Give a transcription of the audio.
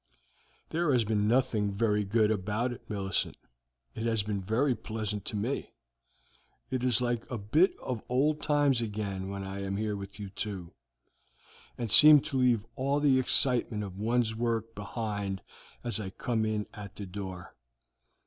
"There has been nothing very good about it, Millicent; it has been very pleasant to me; it is like a bit of old times again when I am here with you two, and seem to leave all the excitement of one's work behind as I come in at the door."